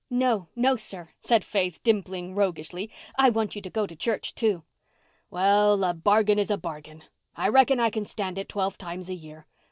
"No, no, sir," said Faith, dimpling roguishly. "I want you to go to church, too." "Well, a bargain is a bargain. I reckon I can stand it twelve times a year.